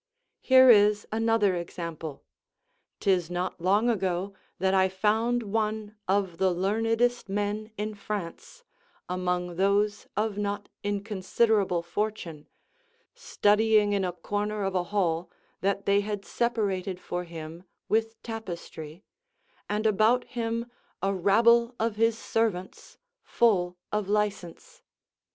Here is another example: 'tis not long ago that I found one of the learnedest men in France, among those of not inconsiderable fortune, studying in a corner of a hall that they had separated for him with tapestry, and about him a rabble of his servants full of licence.